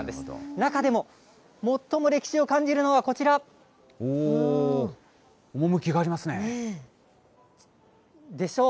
中でも最も歴史を感じるのはこち趣がありますね。でしょう？